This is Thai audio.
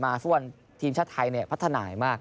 ผ่านมาส่วนทีมชาติไทยเนี่ยพัฒนาใหม่มาก